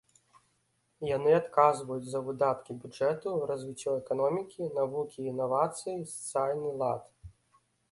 Яны адказваюць за выдаткі бюджэту, развіццё эканомікі, навукі і інавацый, сацыяльны лад.